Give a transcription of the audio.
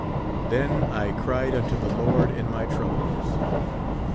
Tlien I cried unto the Lord in my troubles.